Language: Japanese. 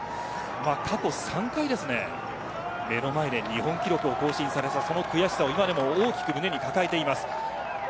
過去３回、目の前で日本記録を更新されたその悔しさを大きく胸に抱えています。